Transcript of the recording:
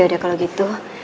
ya udah kalau gitu